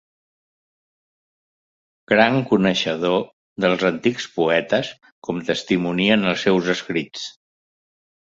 Gran coneixedor dels antics poetes com testimonien els seus escrits.